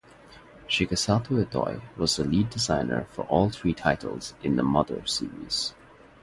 Shigesato Itoi was the lead designer for all three titles in the "Mother" series.